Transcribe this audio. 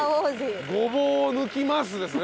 「ごぼうを抜きます」ですね。